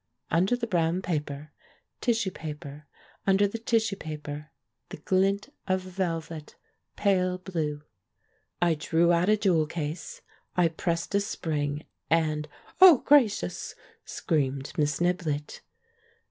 Under the brown paper, tissue paper ; under the tissue paper, the ghnt of velvet, pale blue; I drew out a jewel case; I pressed a spring, and "Oh, gracious!" screamed Miss Niblett.